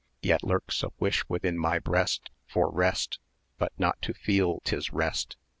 Yet, lurks a wish within my breast For rest but not to feel 'tis rest.